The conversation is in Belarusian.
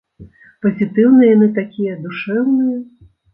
Пазітыўныя яны такія, душэўныя.